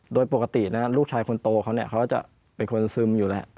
โดยปกตินะลูกชายคนโตเขาเนี่ยเขาจะเป็นคนซึมอยู่แหละ